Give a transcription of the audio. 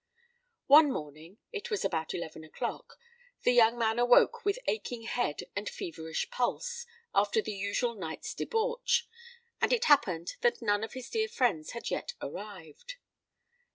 One morning—it was about eleven o'clock—the young man awoke with aching head and feverish pulse, after the usual night's debauch; and it happened that none of his dear friends had yet arrived.